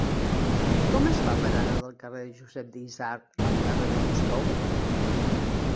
Com es fa per anar del carrer de Josep Yxart al carrer de Moscou?